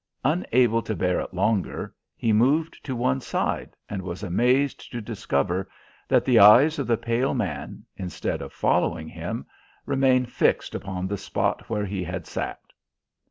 Unable to bear it longer, he moved to one side, and was amazed to discover that the eyes of the pale man, instead of following him, remained fixed upon the spot where he had sat.